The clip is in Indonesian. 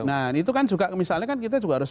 nah itu kan juga misalnya kan kita juga harus